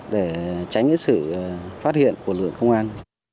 để tránh những sự phát hiện của lực lượng công an